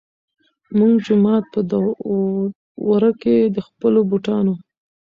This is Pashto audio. مونږ جومات پۀ ورۀ کښې د خپلو بوټانو